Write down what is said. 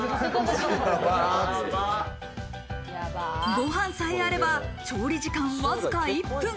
ご飯さえあれば、調理時間わずか１分。